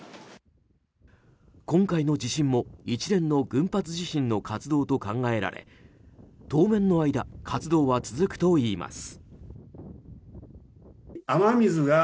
今回の地震も一連の群発地震の活動と考えられ当面の間活動は続くといいます。